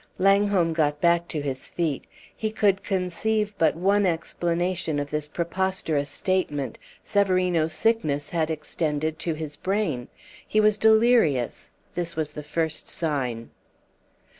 Langholm got back to his feet. He could conceive but one explanation of this preposterous statement. Severino's sickness had extended to his brain. He was delirious. This was the first sign.